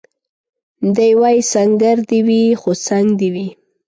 دی وايي سنګر دي وي خو څنګ دي وي